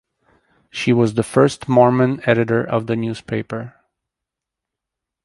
She was the first Mormon editor of the newspaper.